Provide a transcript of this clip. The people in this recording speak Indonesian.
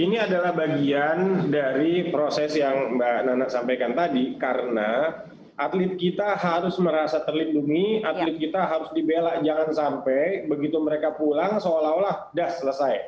ini adalah bagian dari proses yang mbak nana sampaikan tadi karena atlet kita harus merasa terlindungi atlet kita harus dibela jangan sampai begitu mereka pulang seolah olah dah selesai